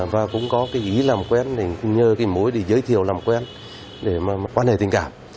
và cũng có cái ý làm quen để nhờ cái mối để giới thiệu làm quen để mà quan hệ tình cảm